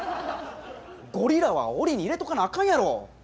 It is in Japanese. ゴリラは檻に入れとかなあかんやろ。